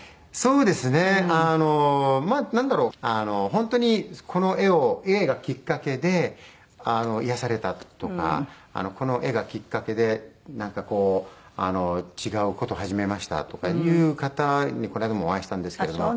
本当にこの絵を絵がきっかけで癒やされたとかこの絵がきっかけでなんかこう違う事始めましたとかいう方にこの間もお会いしたんですけれども。